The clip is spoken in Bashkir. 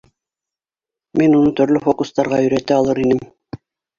—Мин уны төрлө фокустарға өйрәтә алыр инем.